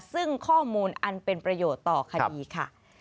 ซึ่งข้อมูลอันเป็นประโยชน์ต่อคดีค่ะ